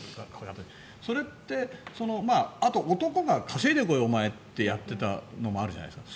それって、あと男が稼いでこい、お前ってやってたのもあるじゃないですか。